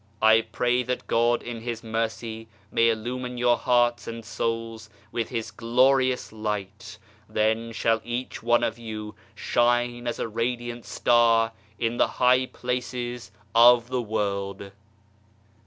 I pray that God in His mercy may illumine your hearts and souls with His Glorious Light, then shall each one of you shine as a radiant star in the dark places of the world.